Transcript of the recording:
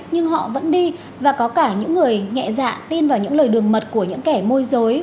nhưng họ vẫn đi và có cả những người nhẹ dạ tin vào những lời đường mật của những kẻ môi giới